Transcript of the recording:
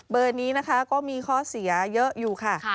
นี้นะคะก็มีข้อเสียเยอะอยู่ค่ะ